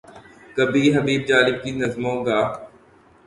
کبھی حبیب جالب کی نظمیں گا۔